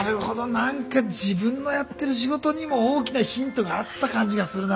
何か自分のやってる仕事にも大きなヒントがあった感じがするな